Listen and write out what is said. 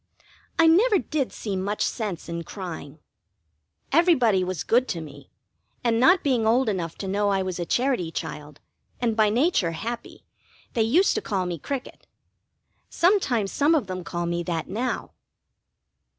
I never did see much sense in crying. Everybody was good to me, and not being old enough to know I was a Charity child, and by nature happy, they used to call me Cricket. Sometimes some of them call me that now.